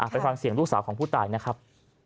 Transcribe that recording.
ไปฟังเสียงลูกสาวของผู้ตายนะครับ